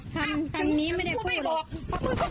ถามเป็นนักวิทยาละครั้ง